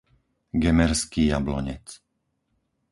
Gemerský Jablonec